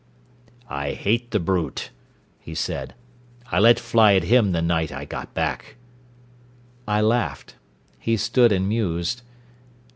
"I hate the brute," he said. "I let fly at him the night I got back " I laughed. He stood and mused.